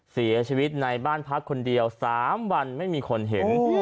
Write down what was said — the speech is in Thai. เสียชีวิตในบ้านพักคนเดียว๓วันไม่มีคนเห็น